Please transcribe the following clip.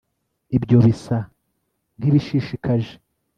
ibyo bisa nkibishishikaje